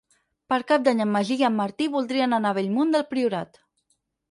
Per Cap d'Any en Magí i en Martí voldrien anar a Bellmunt del Priorat.